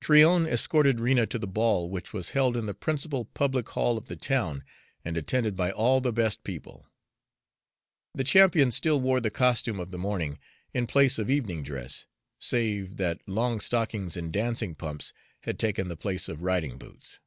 Tryon escorted Rena to the ball, which was held in the principal public hall of the town, and attended by all the best people. The champion still wore the costume of the morning, in place of evening dress, save that long stockings and dancing pumps had taken the place of riding boots.